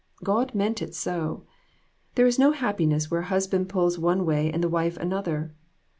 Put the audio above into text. God meant it so. There is no happiness where a hus band pulls one way and the wife another.